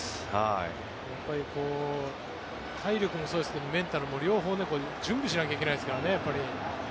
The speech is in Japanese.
やっぱり体力もそうですけどメンタルも両方準備しないといけないですからね。